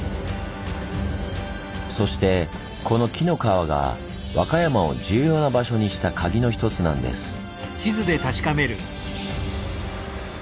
そしてこの紀の川が和歌山を重要な場所にした鍵の一つなんです。